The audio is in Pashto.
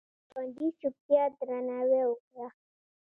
د ګاونډي چوپتیا درناوی وکړه